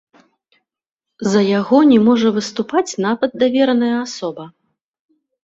За яго не можа выступаць нават давераная асоба.